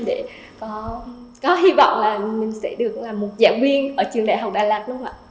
để có hy vọng là mình sẽ được là một giảng viên ở trường đại học đà lạt đúng không ạ